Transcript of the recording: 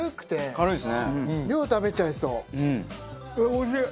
おいしい！